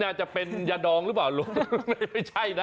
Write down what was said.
น่าจะเป็นยาดองหรือเปล่าลุงไม่ใช่นะ